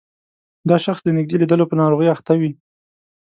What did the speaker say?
دا شخص د نږدې لیدلو په ناروغۍ اخته وي.